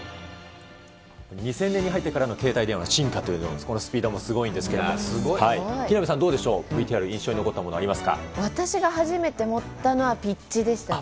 ２０００年に入ってからの携帯電話の進化という、このスピードはすごいんですけれども、木南さん、どうでしょう、ＶＴＲ、私が初めて持ったのはピッチでしたよね。